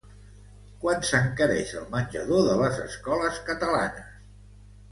Quant s'encareix el menjador de les escoles catalanes?